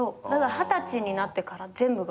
二十歳になってから全部が変わってる。